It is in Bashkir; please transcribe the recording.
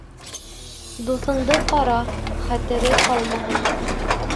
Дуҫыңды ҡара: хәтере ҡалмаһын